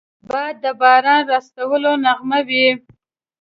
باد د باران راوستلو نغمه وي